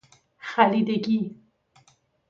خلیدگی